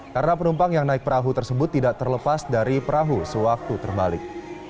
karena penumpang yang naik perahu tersebut tidak terlepas dari perahu sewaktu terbalik